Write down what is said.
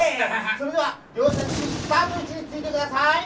それではりょうせんしゅスタートいちについてください。